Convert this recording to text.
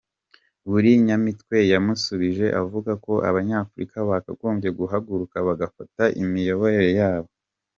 Willy Nyamitwe yamusubije avuga ko abanyafrika bagombye guhaguruka bagafata imiyoborere yabo.